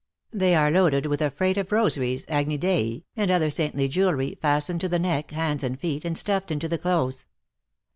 They are loaded with a freight of rosaries, agni dei, and other saintly jewelry, fasten ed to the neck, hands and feet, and stuffed into the clothes.